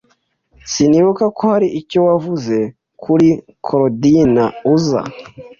Sinibuka ko hari icyo wavuze kuri Korodina uza.